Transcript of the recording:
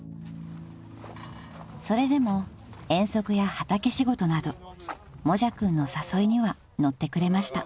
［それでも遠足や畑仕事などもじゃくんの誘いには乗ってくれました］